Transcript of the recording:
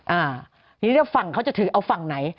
อ่าทีนี้ฝั่งเขาจะถือเอาฝั่งไหน